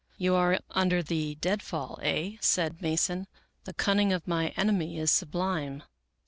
" You are under the dead fall, aye," said Mason. " The cunning of my enemy is sublime."